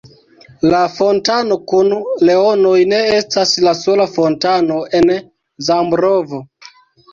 La fontano kun leonoj ne estas la sola fontano en Zambrovo.